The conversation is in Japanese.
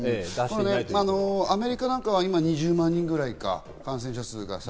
アメリカは今２０万人ぐらいか、感染者が。